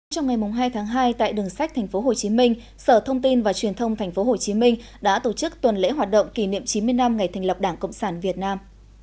trong ngày hai tháng hai tại đường sách tp hcm sở thông tin và truyền thông tp hcm đã tổ chức tuần lễ hoạt động kỷ niệm chín mươi năm ngày thành lập đảng cộng sản việt nam